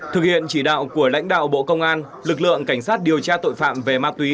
thực hiện chỉ đạo của lãnh đạo bộ công an lực lượng cảnh sát điều tra tội phạm về ma túy